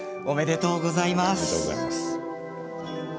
おめでとうございます。